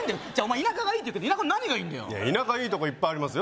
田舎がいいって言うけど田舎の何がいいんだよ田舎いいとこいっぱいありますよ